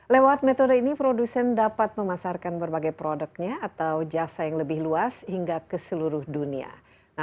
lewat metode ini produsen dapat memasarkan berbagai produknya atau jasa yang lebih luas hingga ke seluruh dunia